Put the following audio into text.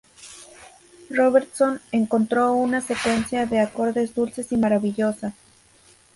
Robertson encontró una secuencia de acordes dulce y maravillosa.